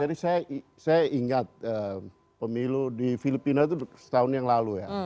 jadi saya ingat pemilu di filipina itu setahun yang lalu ya